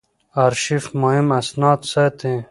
آرشیف مهم اسناد ساتي.